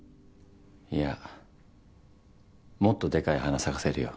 いやもっとでかい花咲かせるよ。